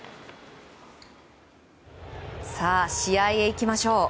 さあ、試合へ行きましょう！